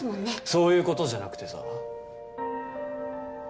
そういうことじゃなくてさ